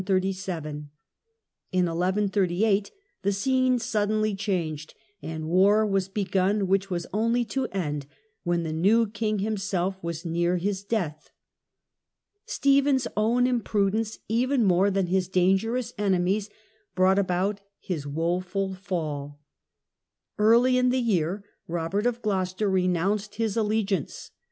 In 11 38 the scene suddenly changed, and war was begun which was The fight for Only to end when the new king himself was the crown. near his death. Stephen's own imprudence, even more than his dangerous enemies, brought about his woeful fall. Early in the year Robert of Gloucester renounced his allegiance.